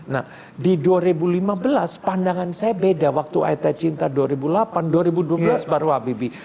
nah di dua ribu lima belas pandangan saya beda waktu aetai cinta dua ribu delapan dua ribu dua belas baru habibie